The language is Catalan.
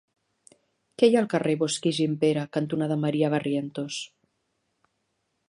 Què hi ha al carrer Bosch i Gimpera cantonada Maria Barrientos?